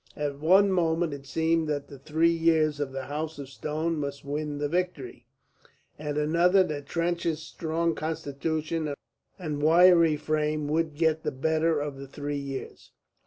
At one moment it seemed that the three years of the House of Stone must win the victory, at another that Trench's strong constitution and wiry frame would get the better of the three years.